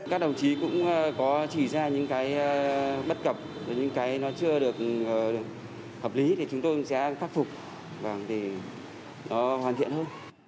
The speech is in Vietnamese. các đồng chí cũng có chỉ ra những cái bất cập những cái nó chưa được hợp lý thì chúng tôi sẽ khắc phục để nó hoàn thiện hơn